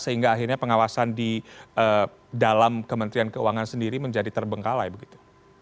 sehingga akhirnya pengawasan di dalam kementerian keuangan sendiri menjadi terbengkalai begitu